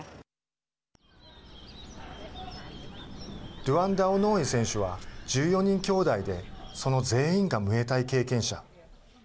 ドゥアンダオノーイ選手は１４人きょうだいでその全員がムエタイ経験者。